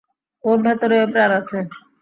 ওর ভেতরেও প্রাণ আছে।